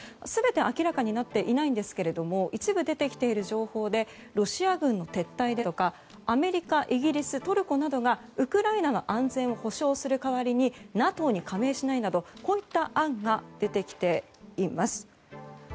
全て明らかになっていないんですけど一部出てきている情報でロシア軍撤退ですとかアメリカ、イギリストルコなどがウクライナの安全を保障する代わりにＮＡＴＯに加盟しないなどといった案が出てきています。